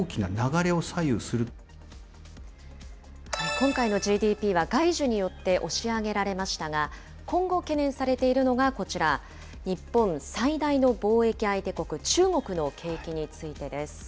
今回のＧＤＰは、外需によって押し上げられましたが、今後、懸念されているのがこちら、日本最大の貿易相手国、中国の景気についてです。